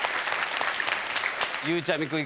ゆうちゃみくん